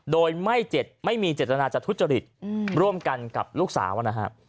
โดยไม่มีเจตนาจะทุจริตร่วมกันกับลูกสาวนะครับ